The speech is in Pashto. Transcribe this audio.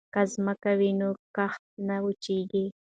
که ځمکه وي نو کښت نه وچيږي.